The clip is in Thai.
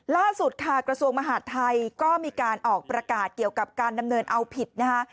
ล่าสุดค่ะกระทรวงมหาดไทยก็มีการออกประกาศเกี่ยวกับการดำเนินเอาผิดนะคะ